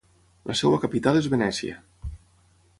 La seva capital és Venècia.